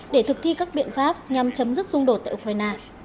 để thực thi các biện pháp nhằm chấm dứt xung đột tại ukraine